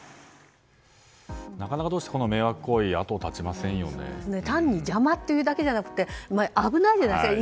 なかなかどうしてこの迷惑行為単に邪魔というだけじゃなく危ないじゃないですか。